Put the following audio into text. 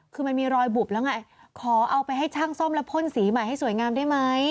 คือมันมีรอยบุบแล้วไงขอเอาไปให้ช่างซ่อมแล้วพ่นสีใหม่ให้สวยงามได้ไหม